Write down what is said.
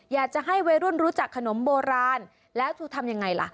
อยากจะให้วัยรุ่นรู้จักขนมโบราณแล้วเธอทำยังไงล่ะ